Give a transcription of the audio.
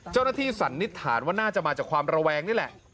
เจ้าหน้าที่สันนิจฐานว่าน่าจะมาจากความระแวงนี่แหละ